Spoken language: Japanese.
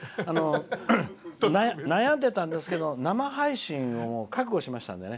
悩んでたんですけど生配信を覚悟しました。